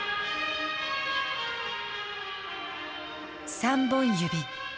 ３本指。